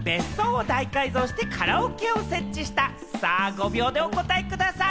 ５秒でお答えください。